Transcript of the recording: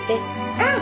うん。